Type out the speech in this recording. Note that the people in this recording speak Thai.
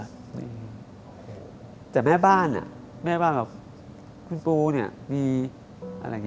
บ๊วยบ๊วยแต่แม่บ้านแม่บ้านแบบคุณปูเนี่ยมีอะไรอย่างนี้